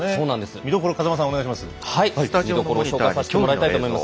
見どころを風間さん、お願いします。